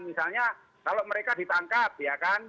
misalnya kalau mereka ditangkap ya kan